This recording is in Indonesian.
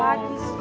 lagi sih lo